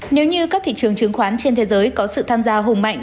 nếu như các thị trường chứng khoán trên thế giới có sự tham gia hùng mạnh